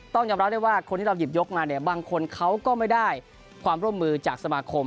ต้องยอมรับได้ว่าคนที่เราหยิบยกมาเนี่ยบางคนเขาก็ไม่ได้ความร่วมมือจากสมาคม